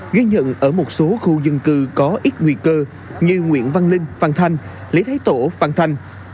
ghi nhận ở một số khu dân cư có ít nguy cơ như nguyễn văn linh phan thanh lý thái tổ phan thanh